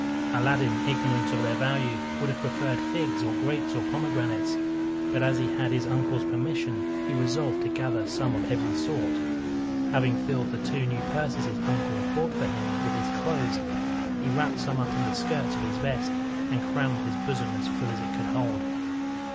Aladdin, ignorant of their value, would have preferred figs, or grapes, or pomegranates; but as he had his uncle's permission, he resolved to gather some of every sort. Having filled the two new purses his uncle had bought for him with his clothes, he wrapped some up in the skirts of his vest, and crammed his bosom as full as it could hold.